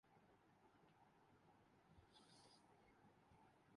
میں نے رسما مبارکباد پہ دے دی۔